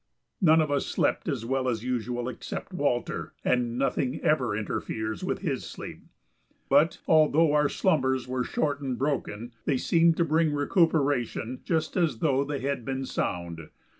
None of us slept as well as usual except Walter and nothing ever interferes with his sleep but, although our slumbers were short and broken, they seemed to bring recuperation just as though they had been sound.